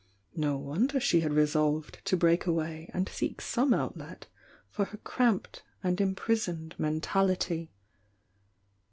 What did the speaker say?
No wonder she had re solved to break away and seek some outlet for her cramped and imprisoned mentality.